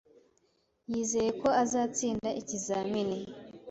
Yizeye ko azatsinda ikizamini.